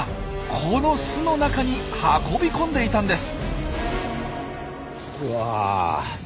この巣の中に運び込んでいたんです。